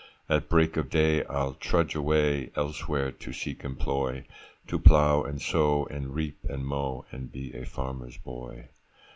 At break of day, I'll trudge away Elsewhere to seek employ, To plow and sow, and reap and mow, And be a farmer's boy.